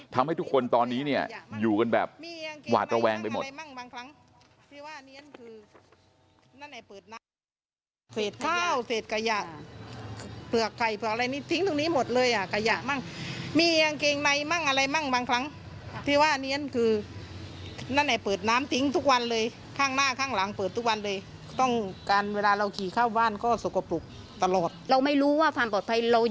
ทำให้ทุกคนตอนนี้เนี่ยอยู่กันแบบหวาดระแวงไปหมด